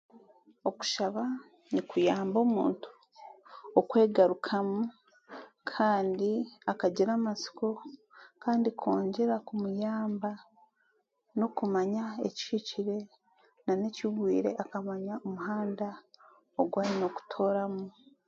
Okushaba nikuyamba omuntu okwegarukamu, kandi akagira amasiko, kandi kwongyera kumuyamba n'okumanya ekihikire nan'ekigwire akamanya omuhanda ogu aine kutooramu.